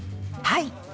はい。